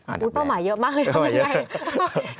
อุ๊ยเป้าหมายเยอะมากเลยทำไมไง